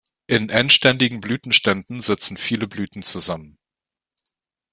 In endständigen Blütenständen sitzen viele Blüten zusammen.